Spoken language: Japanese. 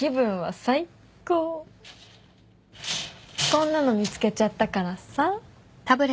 こんなの見つけちゃったからさ。